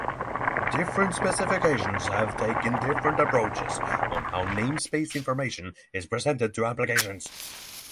Different specifications have taken different approaches on how namespace information is presented to applications.